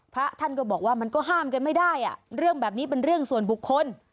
พระท่านก็บอกว่ามันก็ห้ามกันไม่ได้เรื่องแบบนี้เป็นเรื่องส่วนบุคคล